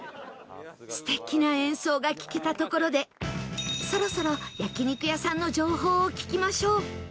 素敵な演奏が聴けたところでそろそろ焼肉屋さんの情報を聞きましょう